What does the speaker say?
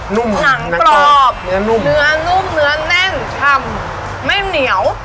หนุ่มหนังกรอบเนื้อนุ่มเนื้อแน่นฉ่ำไม่เหนียว